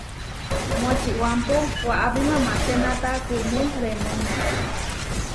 Močibámpo waʼapí mamačénata kumú remónio.